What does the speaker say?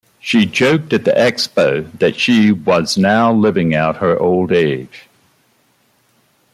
She joked at the expo that she was now living out her old age.